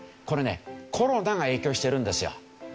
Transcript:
これねコロナが影響してるんですよ。